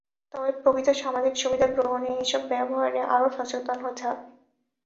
তবে প্রকৃত সামাজিক সুবিধা গ্রহণে এসব ব্যবহারে আরও সচেতন হতে হবে।